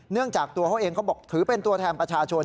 จากตัวเขาเองเขาบอกถือเป็นตัวแทนประชาชน